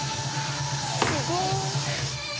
すごい！